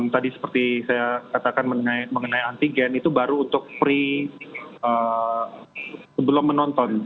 tadi seperti saya katakan mengenai antigen itu baru untuk free sebelum menonton